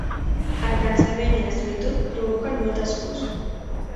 El cansament i la solitud provoquen moltes pors.